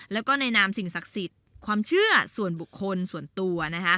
แล้วก็ในนามสิ่งศักดิ์สิทธิ์ความเชื่อส่วนบุคคลส่วนตัว